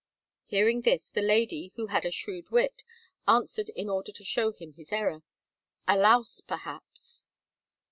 " Hearing this, the lady, who had a shrewd wit, answered, in order to show him his error: "A louse, perhaps."